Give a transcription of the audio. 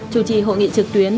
chủ trì hội nghị trực tuyến